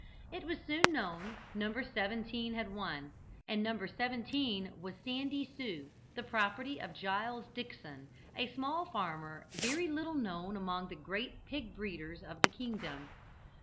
It was soon known, Number 17 had won, and Number 17 was "Sandy Sue," the property of Giles Dickson, a small farmer very little known among the great pig breeders of the kingdom.